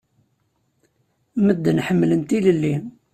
Medden ḥemmlen tilelli.